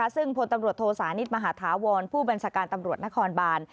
ซึ่งพลตำรวจโทสานิทมหาธาวรผู้บัญชาการตำรวจนครบาน